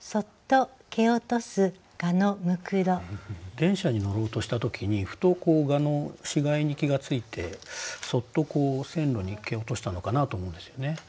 電車に乗ろうとした時にふと蛾の死骸に気が付いてそっと線路に蹴落としたのかなと思うんですよね。